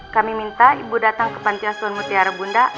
kami minta ibu datang ke pantiasun mutara bunda